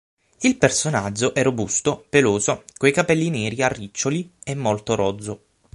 Il personaggio è robusto, peloso, coi capelli neri a riccioli e molto rozzo.